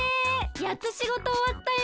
やっとしごとおわったよ。